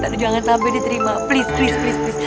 aduh jangan sampe diterima please please please